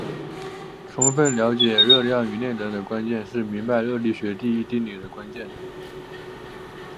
充分了解热量与内能的分别是明白热力学第一定律的关键。